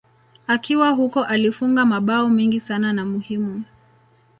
Akiwa huko alifunga mabao mengi sana na muhimu.